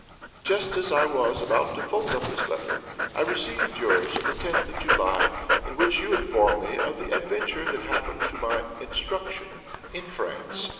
"Just as I was about to fold up this letter, I received yours of the 10th of July, in which you inform me of the adventure that happened to my 'Instruction' in France.